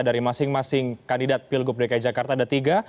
dari masing masing kandidat pilgub dki jakarta ada tiga